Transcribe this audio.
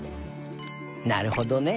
なるほどね。